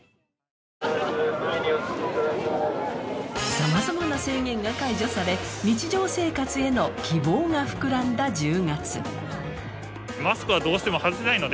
さまざまな制限が解除され、日常生活への希望がふくらんだ１０月。